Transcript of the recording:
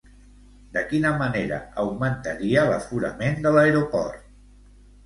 De quina manera augmentaria l'aforament de l'aeroport?